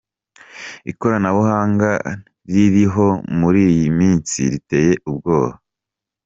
Ikoranabuhanga ririho muri iyi minsi riteye ubwoba.